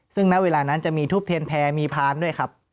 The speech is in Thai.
ซึ่งณเวลานั้นจะมีทูปเทียนแพรมีพานด้วยครับ